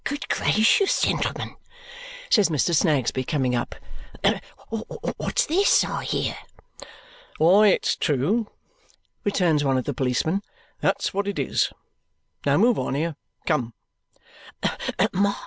"Good gracious, gentlemen!" says Mr. Snagsby, coming up. "What's this I hear!" "Why, it's true," returns one of the policemen. "That's what it is. Now move on here, come!"